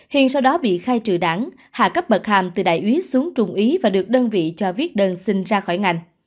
hiền sau đó bị khai trừ đảng hạ cấp bậc hàm từ đại úy xuống trung ý và được đơn vị cho viết đơn xin ra khỏi ngành